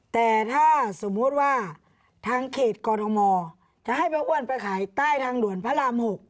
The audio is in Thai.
แต่ถ้าสมมุติว่าทางเขตกรทมจะให้ป้าอ้วนไปขายใต้ทางด่วนพระราม๖